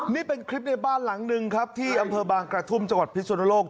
นี่เป็นคลิปในบ้านหลังหนึ่งครับที่อำเภอบางกระทุ่มจังหวัดพิสุนโลก